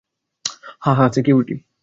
হ্যাঁ, হ্যাঁ, সিকিউরিটি।